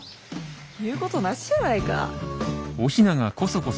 言うことなしじゃないか。